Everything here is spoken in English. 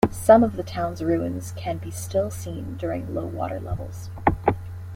Some of the towns ruins can be still seen during low water levels.